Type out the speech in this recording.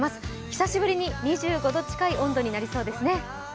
久しぶりに２５度近い温度になりそうですね。